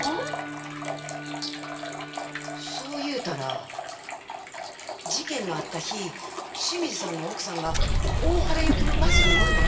そう言うたら事件のあった日清水さんの奥さんが大原行きのバスに乗るのを見たんです。